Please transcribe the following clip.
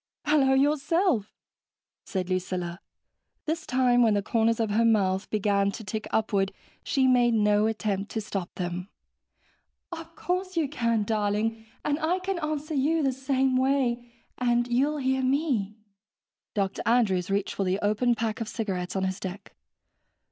"Hello yourself," said Lucilla. This time when the corners of her mouth began to tick upward, she made no attempt to stop them. (Of course you can, darling. And I can answer you the same way, and you'll hear me.) Dr. Andrews reached for the open pack of cigarettes on his deck.